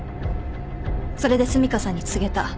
それで澄香さんに告げた。